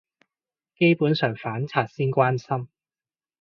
基本上反賊先關心